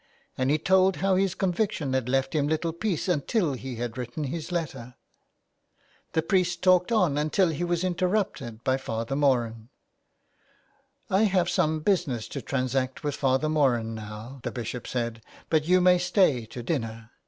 And he told how this conviction had left him little peace until he had written his letter. The priest talked on until he was interrupted by Father Moran. " I have some business to transact with Father Moran now," the Bishop said, " but you must stay to dinner.